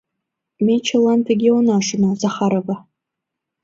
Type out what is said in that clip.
Ме чылан тыге она шоно, Захарова!